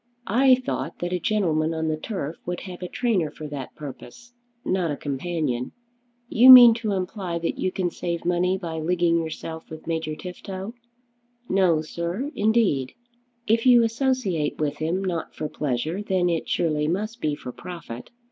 "I thought that a gentleman on the turf would have a trainer for that purpose; not a companion. You mean to imply that you can save money by leaguing yourself with Major Tifto?" "No, sir, indeed." "If you associate with him, not for pleasure, then it surely must be for profit.